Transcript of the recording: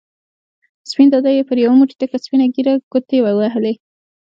سپین دادا پر یو موټی تکه سپینه ږېره ګوتې ووهلې.